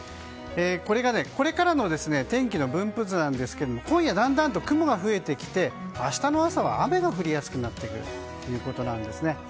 これが、これからの天気の分布図なんですが今夜、だんだんと雲が増えてきて明日の朝は雨が降りやすくなってくるということなんですね。